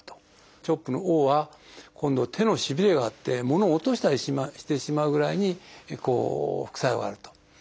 「ＣＨＯＰ」の「Ｏ」は今度手のしびれがあってものを落としたりしてしまうぐらいに副作用があると。